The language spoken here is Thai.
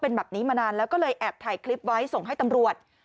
เป็นแบบนี้มานานแล้วก็เลยแอบถ่ายคลิปไว้ส่งให้ตำรวจ